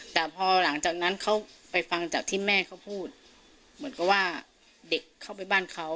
แต่พอหลังจากนั้นเขาไปฟังจากที่แม่เขาพูดเหมือนกับว่าเด็กเข้าไปบ้านเขา